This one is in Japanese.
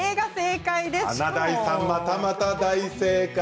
華大さん、またまた正解。